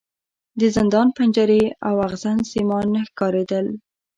د زندان پنجرې او ازغن سیمان نه ښکارېدل.